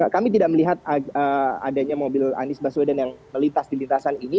kami tidak melihat adanya mobil andis baswe dan yang melintas di lintasan ini